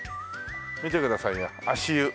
見てくださいよ足湯。